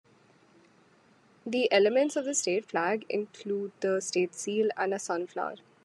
The elements of the state flag include the state seal and a sunflower.